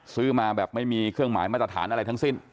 ซื้อมาแบบไม่มีเครื่องหมายมาตรฐานอะไรทั้งสิ้น